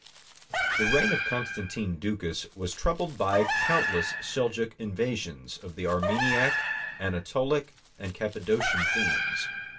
The reign of Constantine Ducas was troubled by countless Seljouk invasions of the Armeniac, Anatolic, and Cappadocian themes.